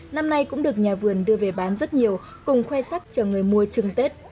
năm nay cũng được nhà vườn đưa về bán rất nhiều cùng khoe sắc cho người mua chừng tết